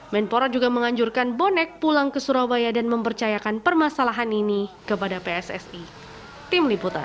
menpora juga menganjurkan bonek pulang ke surabaya dan mempercayakan permasalahan ini kepada pssi